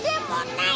ない！